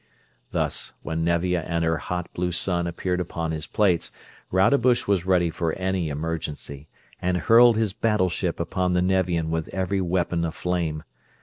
Thus, when Nevia and her hot, blue sun appeared upon his plates Rodebush was ready for any emergency, and hurled his battleship upon the Nevian with every weapon aflame.